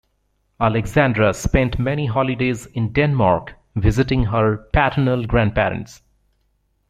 Alexandra spent many holidays in Denmark visiting her paternal grandparents.